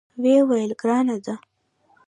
ویې ویل: ګرانه ده.